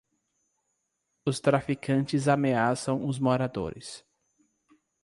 Os traficantes ameaçam os moradores.